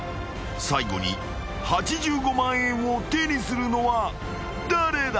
［最後に８５万円を手にするのは誰だ？］